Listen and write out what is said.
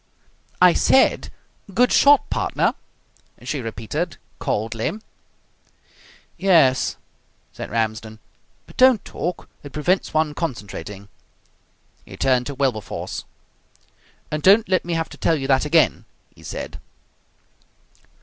"I said, 'Good shot, partner!'" she repeated coldly. "Yes," said Ramsden, "but don't talk. It prevents one concentrating." He turned to Wilberforce. "And don't let me have to tell you that again!" he said.